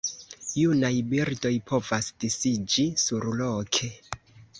Junaj birdoj povas disiĝi surloke.